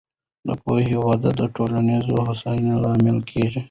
د پوهې وده د ټولنیزې هوساینې لامل کېږي.